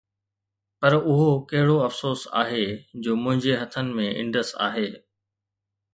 پر اهو ڪهڙو افسوس آهي جو منهنجي هٿن ۾ انڊس آهي